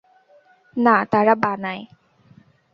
না, তারা বানায়।